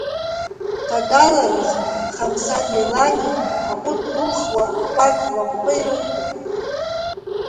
Ҭагалараз Хамсадеи лани, аҟәыд гәылхуа, аҟәардә лаҟәқәа ирықәтәан.